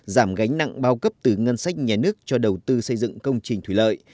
giảm gánh nặng bao cấp từ ngân sách nhà nước cho đầu tư xây dựng công trình thủy lợi